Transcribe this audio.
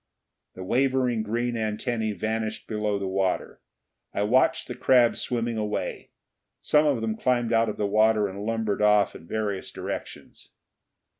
The wavering green antennae vanished below the water; I watched the crabs swimming away. Some of them climbed out of the water and lumbered off in various directions.